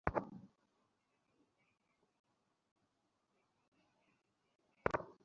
প্রথমে সে একজন কুস্তিগীর ছিলো।